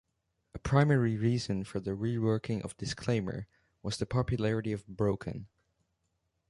A primary reason for the reworking of "Disclaimer" was the popularity of "Broken.